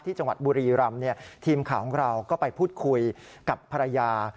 จังหวัดบุรีรำทีมข่าวของเราก็ไปพูดคุยกับภรรยา